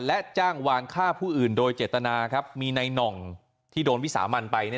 และจ้างวางฆ่าผู้อื่นโดยเจตนามีในหน่องที่โดนวิสามันไป